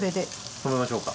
止めましょうか。